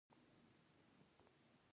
ذهن پېچلو جوړښتونو تجزیه نه کاوه